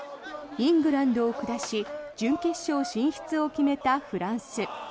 イングランドを下し準決勝進出を決めたフランス。